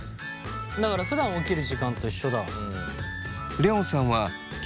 だからふだん起きる時間と一緒だ。